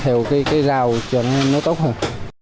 theo cái rào cho nó tốt hơn